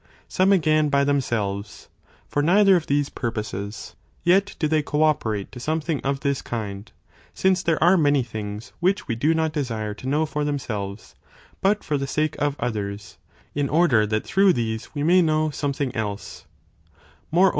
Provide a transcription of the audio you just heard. some again by themselves, for neither of these purposes, yet do they co operate to something of this kind, since there are many things which we do not desire to know for themselves, but for the sake of others, in order that through these we may know means a prop.